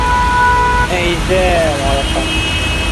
Эйҙә-ә-ә, малҡай!